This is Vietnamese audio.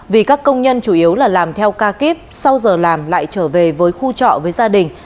vì các công nhân chủ yếu là làm theo ca kíp sau giờ làm lại trở về với khu trọ với gia đình